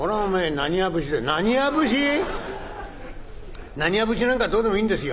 浪花節なんかどうでもいいんですよ。